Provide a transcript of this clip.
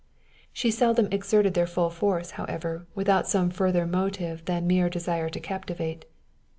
She seldom exerted their full force, however, without some further motive than mere desire to captivate.